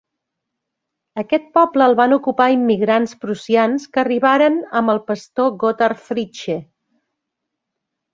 Aquest poble el van ocupar immigrants prussians que arribaren amb el pastor Gotthard Fritzsche.